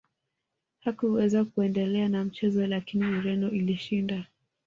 hakuweza kuendelea na mchezo lakini ureno ilishinda